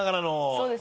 そうです。